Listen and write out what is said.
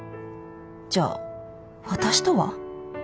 じゃあ私とは？